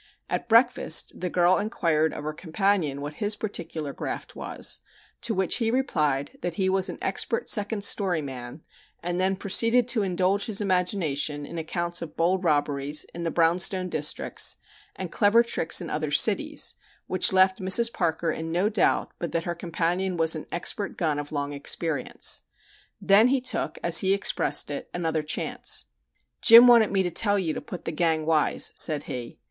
At breakfast the girl inquired of her companion what his particular "graft" was, to which he replied that he was an expert "second story man," and then proceeded to indulge his imagination in accounts of bold robberies in the brown stone districts and clever "tricks" in other cities, which left Mrs. Parker in no doubt but that her companion was an expert "gun" of long experience. Then he took, as he expressed it, "another chance." "Jim wanted me to tell you to put the gang 'wise,'" said he.